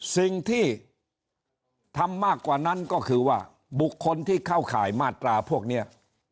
สิ่งที่ทำมากกว่านั้นก็คือว่าบุคคลที่เข้าข่ายมาตราพวกนี้